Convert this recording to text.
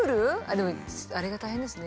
でもあれが大変ですね。